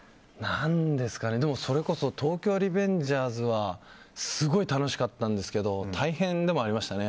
何ですかねでも、それこそ「東京リベンジャーズ」はすごい楽しかったんですけど大変でもありましたね。